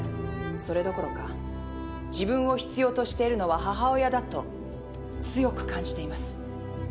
それどころか自分を必要としているのは母親だと強く感じています。